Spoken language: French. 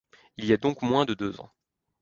Il y a donc moins de deux ans.